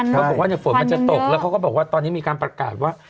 ก็บอกว่าฝนมันจะตกแล้วเขาก็บอกว่าตอนนี้มีการประกาศว่า